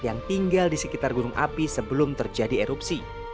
yang tinggal di sekitar gunung api sebelum terjadi erupsi